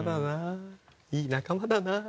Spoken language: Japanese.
いい仲間だなあ。